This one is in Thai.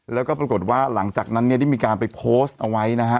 แล้วก็ปรากฏว่าหลังจากนั้นเนี่ยได้มีการไปโพสต์เอาไว้นะฮะ